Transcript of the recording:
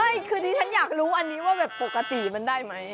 คือดิฉันอยากรู้อันนี้ว่าแบบปกติมันได้ไหม